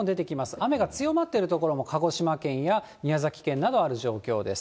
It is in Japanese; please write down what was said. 雨が強まっている所も、鹿児島県や宮崎県などある状況です。